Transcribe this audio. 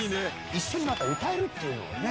一緒になって歌えるっていうのがね。